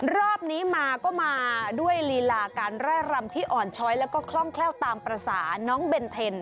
รอบนี้มาก็มาด้วยลีลาการไร่รำที่อ่อนช้อยแล้วก็คล่องแคล่วตามภาษาน้องเบนเทน